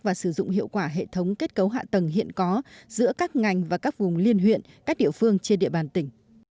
và sử dụng hiệu quả hệ thống kết cấu hạ tầng hiện có giữa các ngành và các vùng liên huyện các địa phương trên địa bàn tỉnh